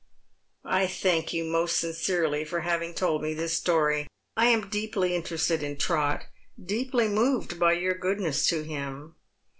" I thank you most sincerely for having told me this story. I am deeply interested in Trot, deeply moved by your goodness to him.